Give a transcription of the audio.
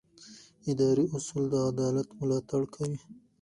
اداري اصول د عدالت ملاتړ کوي.